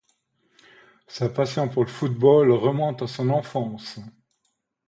Sa passion pour le football remonte à son enfance.